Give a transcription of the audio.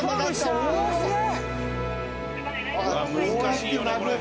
難しいよねこれ。